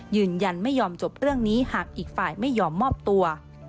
ยืนยันไม่ยอมจบเรื่องนี้หากอีกฝ่ายไม่ยอมมอบตัว